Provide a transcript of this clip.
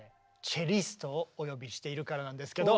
チェリストをお呼びしているからなんですけど。